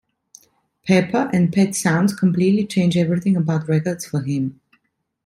Pepper" and "Pet Sounds" "completely changed everything about records" for him.